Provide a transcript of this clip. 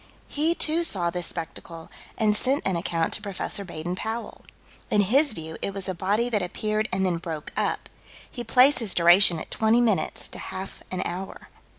He, too, saw this spectacle, and sent an account to Prof. Baden Powell. In his view it was a body that appeared and then broke up. He places duration at twenty minutes to half an hour.